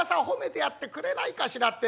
褒めてやってくれないかしら』